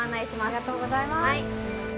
ありがとうございます。